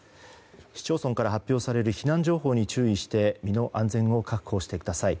市町村から発表される避難情報に注意して身の安全を確保してください。